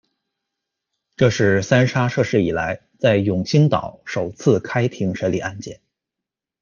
这是三沙设市以来，在永兴岛首次开庭审理案件。